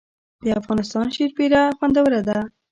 د افغانستان شیرپیره خوندوره ده